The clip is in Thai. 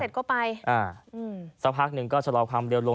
ปาเสร็จก็ไปอ่าสักพักนึงก็จะรอความเร็วลง